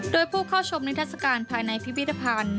โดยผู้เข้าชมนิทัศกาลภายในพิพิธภัณฑ์